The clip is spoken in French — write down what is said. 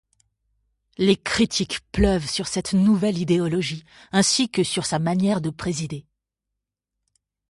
Les critiques pleuvent sur cette nouvelle idéologie ainsi que sur sa manière de présider.